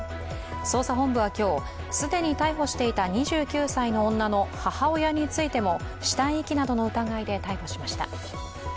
捜査本部は今日、既に逮捕していた２９歳の女の母親についても死体遺棄などの疑いで逮捕しました。